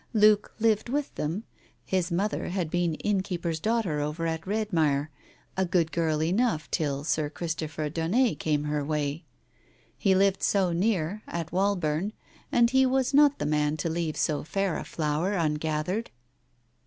Luke lived with them — his mother had been innkeeper's daughter over at Redmire, a good girl enough till Sir Christopher Daunet came her way. He lived so near, at Wallburn, and he was not the man to leave so fair a flower ungathered.